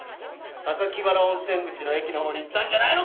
榊原温泉口の駅の方に行ったんじゃないのか！？